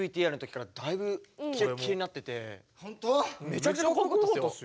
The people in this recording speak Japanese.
めちゃくちゃよかったですよ。